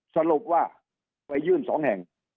สรุปว่าไปยื่น๒แห่ง